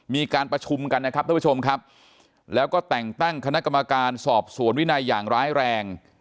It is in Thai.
มีการประชุมกันนะครับท่านผู้ชมครับแล้วก็แต่งตั้งคณะกรรมการสอบสวนวินัยอย่างร้ายแรง